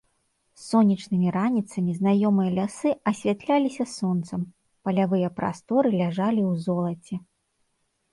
Сонечнымі раніцамі знаёмыя лясы асвятляліся сонцам, палявыя прасторы ляжалі ў золаце.